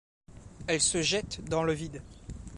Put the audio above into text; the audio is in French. Elle se jette dans le vide.